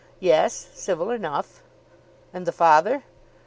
"Yes, civil enough." "And the father?"